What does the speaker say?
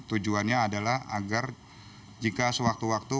tujuannya adalah agar jika sewaktu waktu